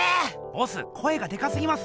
ボス声がデカすぎます。